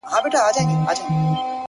چي ديـدنونه پــــه واوښـتل،